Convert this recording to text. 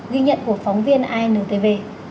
ghi nhận của phóng viên intv